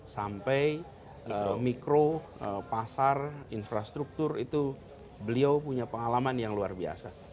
sampai mikro pasar infrastruktur itu beliau punya pengalaman yang luar biasa